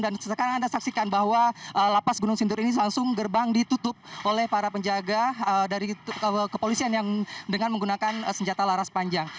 dan sekarang anda saksikan bahwa lapas gunung sindur ini langsung gerbang ditutup oleh para penjaga dari kepolisian dengan menggunakan senjata laras panjang